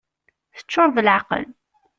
Teččur d leɛqel.